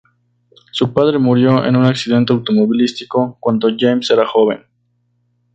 Su padre murió en un accidente automovilístico cuando James era joven.